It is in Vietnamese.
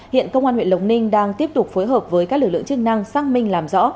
hiện công an huyện lộc ninh đang tiếp tục phối hợp với các lực lượng chức năng xác minh làm rõ